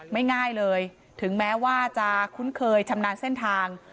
ง่ายเลยถึงแม้ว่าจะคุ้นเคยชำนาญเส้นทาง